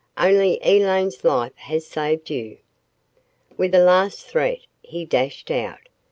"Only Elaine's life has saved you." With a last threat he dashed out.